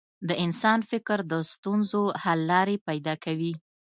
د انسان فکر د ستونزو حل لارې پیدا کوي.